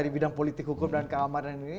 di bidang politik hukum dan keamanan ini